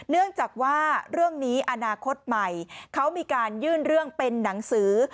เนื่องจากว่าเรื่องนี้อนาคตใหม่เขามีการยื่นเรื่องเป็นหนังสือ